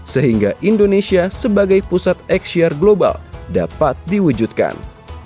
sehingga indonesia sebagai pusat exhiar global dapat diwujudkan